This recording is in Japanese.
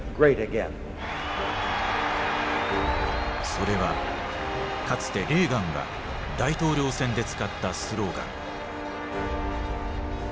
それはかつてレーガンが大統領選で使ったスローガン。